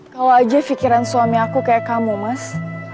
kalau aja pikiran suami aku kayak kamu mas